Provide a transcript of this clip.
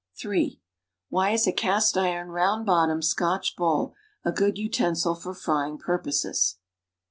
(3) Why is a cast iron, round bottomed, Scotch bowl a good utensil for frying purposes?